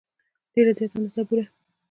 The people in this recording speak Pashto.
ډېره زیاته اندازه بوره.